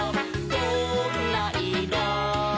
「どんないろ？」